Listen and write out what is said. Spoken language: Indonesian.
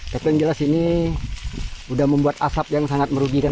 kondisi utama ini juga mengganggu kesalahan pemerintahan